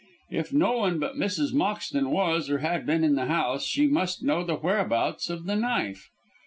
If no one but Mrs. Moxton was, or had been, in the house, she must know the whereabouts of the knife.